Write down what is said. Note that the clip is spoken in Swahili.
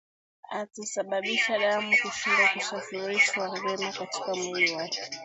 atasababisha damu kushindwa kusafirishwa vyema katika mwili wake